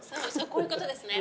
こういうことですね